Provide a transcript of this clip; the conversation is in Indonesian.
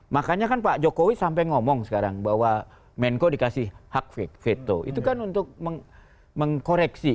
makanya kan pak jokowi sampai ngomong sekarang bahwa menko dikasih hak veto itu kan untuk mengkoreksi